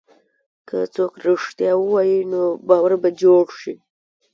که څوک رښتیا ووایي، نو باور به جوړ شي.